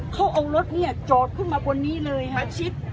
เขาเอารถเนี่ยจอดขึ้นมาบนนี้เลยค่ะชิด